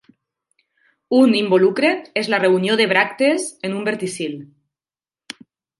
Un involucre és la reunió de bràctees en un verticil.